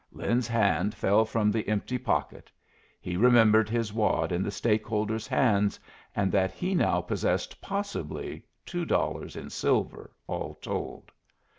Lin's hand fell from the empty pocket; he remembered his wad in the stake holder's hands, and that he now possessed possibly two dollars in silver, all told.